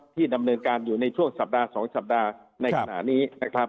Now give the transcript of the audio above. ดำเนินการอยู่ในช่วงสัปดาห์๒สัปดาห์ในขณะนี้นะครับ